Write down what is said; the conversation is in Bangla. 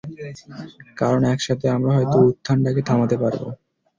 কারন একসাথে আমরা হয়তো উত্থানটাকে থামাতে পারবো।